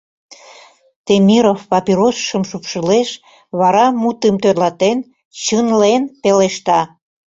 Темиров папиросшым шупшылеш, вара, мутым тӧрлатен, чынлен пелешта: